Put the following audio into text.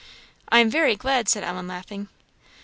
"I am very glad," said Ellen, laughing.